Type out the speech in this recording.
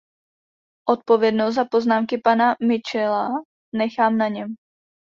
Odpovědnost za poznámky pana Mitchella nechám na něm.